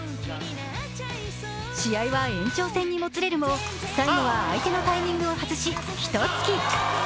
試合は延長線にもつれるも最後は相手のタイミングを外し、ひと突き。